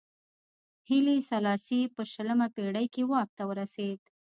هیلي سلاسي په شلمه پېړۍ کې واک ته ورسېد.